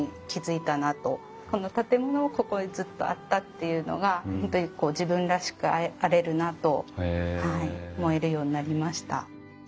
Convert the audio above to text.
この建物がここにずっとあったっていうのが本当に自分らしくあれるなと思えるようになりました。